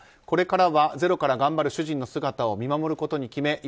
これからはゼロから頑張る主人の姿を見守ることに決め